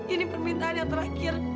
ini permintaan yang terakhir